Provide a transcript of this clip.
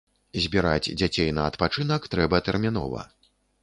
Збіраць дзяцей на адпачынак трэба тэрмінова.